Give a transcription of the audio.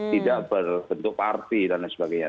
tidak berbentuk parti dan lain sebagainya